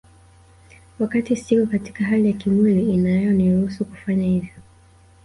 Wakati siko katika hali ya kimwili inayoniruhusu kufanya hivyo